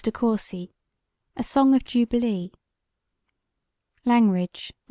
DE COURCY: A Song of Jubilee LANGRIDGE, REV.